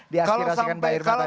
diaskirasikan bayi irma tadi ya